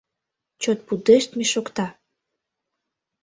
Чот пудештме шокта.